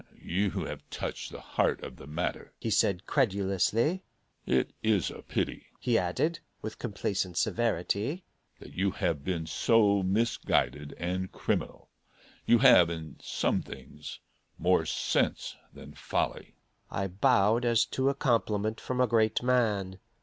"You have touched the heart of the matter," he said credulously. "It is a pity," he added, with complacent severity, "that you have been so misguided and criminal; you have, in some things, more sense than folly." I bowed as to a compliment from a great man.